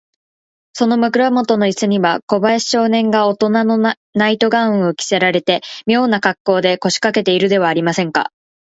その枕もとのイスには、小林少年がおとなのナイト・ガウンを着せられて、みょうなかっこうで、こしかけているではありませんか。